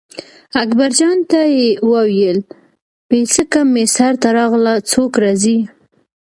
اکبرجان ته یې وویل پیڅکه مې سر ته راغله څوک راځي.